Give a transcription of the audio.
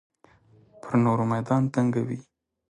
پر نورو میدان تنګوي.